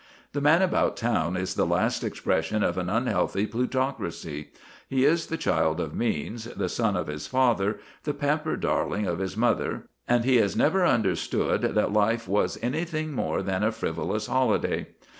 The man about town is the last expression of an unhealthy plutocracy; he is the child of means, the son of his father, the pampered darling of his mother; and he has never understood that life was anything more than a frivolous holiday.